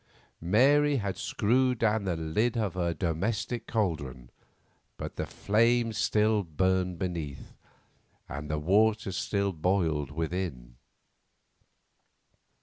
Mary had screwed down the lid of her domestic caldron, but the flame still burned beneath, and the water still boiled within.